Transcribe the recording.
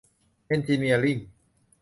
เอ็นจิเนียริ่ง